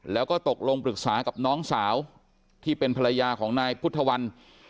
แล้วก็ตกลงปรึกษากับน้องสาวที่เป็นภรรยาของนายพุทธวัน